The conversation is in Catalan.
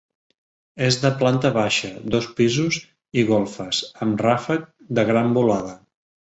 És de planta baixa, dos pisos i golfes, amb ràfec de gran volada.